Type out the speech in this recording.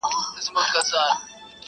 • منځ کي پروت یې زما د سپینو ایینو ښار دی,